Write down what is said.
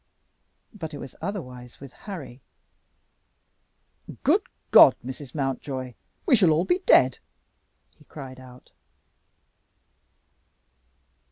But it was otherwise with Harry. "Good God, Mrs. Mountjoy, we shall all be dead!" he cried out.